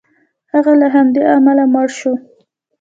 هغه له همدې امله مړ شو.